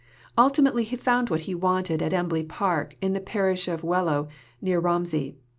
Ultimately he found what he wanted at Embley Park in the parish of Wellow, near Romsey.